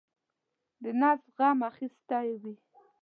د نس غم اخیستی وي.